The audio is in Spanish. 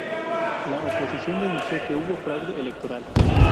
La oposición denunció que hubo fraude electoral.